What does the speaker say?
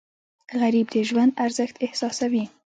غریب د ژوند ارزښت احساسوي